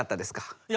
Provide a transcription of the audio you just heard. いや。